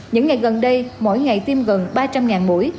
những ngày gần đây mỗi ngày tiêm gần ba trăm linh mũi